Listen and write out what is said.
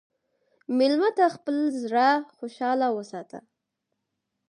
مېلمه ته خپل زړه خوشحال وساته.